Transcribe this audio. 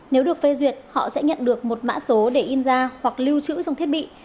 nếu được phê duyệt họ sẽ nhận được một mã số để in ra hoặc lưu trữ trong thiết bị